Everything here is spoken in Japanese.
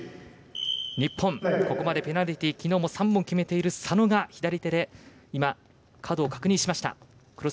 日本、ここまでペナルティー３本決めている佐野が左手で角を確認しました。